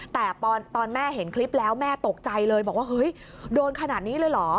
แต่ตอนแม่เห็นคลิปแล้วแม่ตกใจเลยบอกว่าเฮ้ยโดนขนาดนี้เลยเหรอ